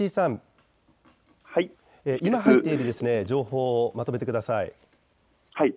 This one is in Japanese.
石井さん、今入っている情報をまとめてください。